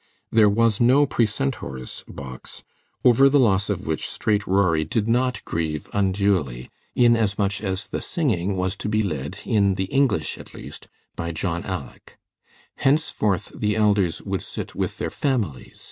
There was no precentor's box, over the loss of which Straight Rory did not grieve unduly, inasmuch as the singing was to be led, in the English at least, by John "Aleck." Henceforth the elders would sit with their families.